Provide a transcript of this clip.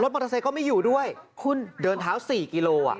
รถมอเตอร์ไซค์ก็ไม่อยู่ด้วยเดินเท้า๔กิโล